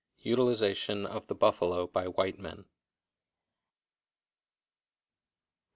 UTILIZATION OF THE BUFFALO BY WHITE MEN.